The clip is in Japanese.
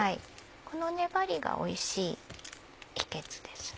この粘りがおいしい秘訣ですね。